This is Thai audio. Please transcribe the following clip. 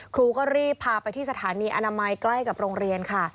ครูก็รีบพาไปที่สถานีอนามัยใกล้กับโรงเรียนค่ะ